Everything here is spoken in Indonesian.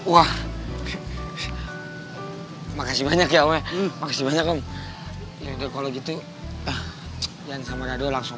wah makasih banyak ya om makasih banyak om ya kalau gitu dan sama dado langsung